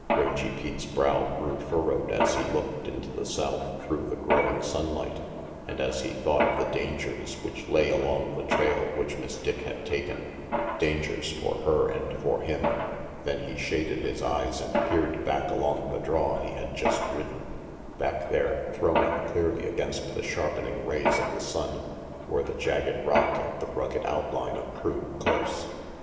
Rangy Pete's brow grew furrowed as he looked into the south through the growing sunlight, and as he thought of the dangers which lay along the trail which Miss Dick had taken, dangers for her and for him. Then he shaded his eyes and peered back along the draw he had just ridden. Back there, thrown up clearly against the sharpening rays of the sun, were the jagged rock and the rugged outline of crude cliffs.